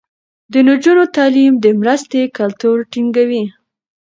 د نجونو تعليم د مرستې کلتور ټينګوي.